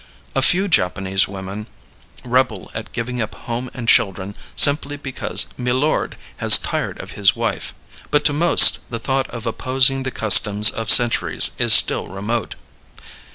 A few Japanese women rebel at giving up home and children simply because milord has tired of his wife; but to most the thought of opposing the customs of centuries is still remote.